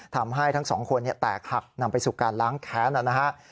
ทำให้ทั้งสองคนแตกหักนำไปสู่การล้างแค้นนะครับ